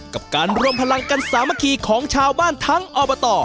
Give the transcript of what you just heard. กับการรวมพลังกันสามัคคีของชาวบ้านทั้งอบต